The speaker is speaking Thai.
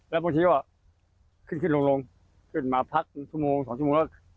แล้วบางทีก็ขึ้นขึ้นลงขึ้นมาพักชั่วโมง๒ชั่วโมงแล้ว